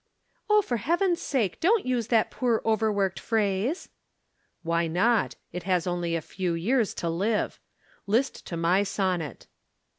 "For Heaven's sake, don't use that poor overworked phrase!" "Why not? It has only a few years to live. List to my sonnet."